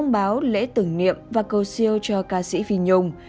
báo lễ tưởng niệm và câu siêu cho ca sĩ phi nhung